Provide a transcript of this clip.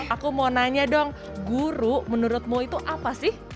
aku mau nanya dong guru menurutmu itu apa sih